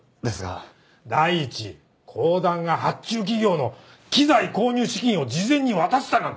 第一公団が発注企業の機材購入資金を事前に渡すだなんて。